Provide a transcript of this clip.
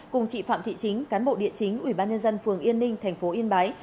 cùng chị phạm thị chính cán bộ địa chính ủy ban nhân dân phường yên ninh thành phố yên bái